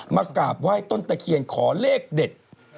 กราบไหว้ต้นตะเคียนขอเลขเด็ด